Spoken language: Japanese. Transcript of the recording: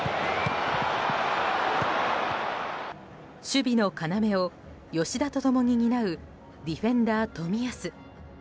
守備の要を吉田と共に担うディフェンダー、冨安。